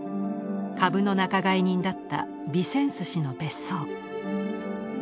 株の仲買人だったビセンス氏の別荘。